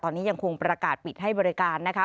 ตอนนี้ยังคงประกาศปิดให้บริการนะคะ